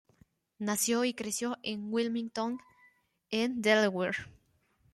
Nació y creció en Wilmington, en Delaware.